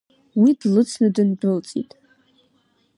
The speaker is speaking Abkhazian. Уи длыцны дындәылҵит.